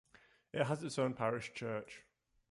It has its own parish church.